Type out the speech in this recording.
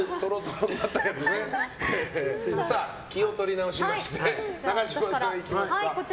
気を取り直しまして永島さん、いきますか。